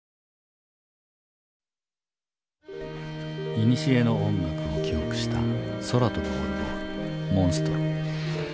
いにしえの音楽を記憶した空飛ぶオルゴール「モンストロ」。